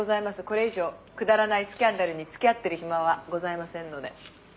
「これ以上くだらないスキャンダルに付き合ってる暇はございませんので」